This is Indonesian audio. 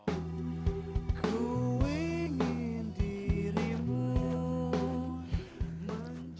aku ingin dirimu